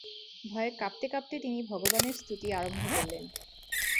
ভয়ে কাঁপতে কাঁপতে তিনি ভগবানের স্তুতি আরম্ভ করলেন।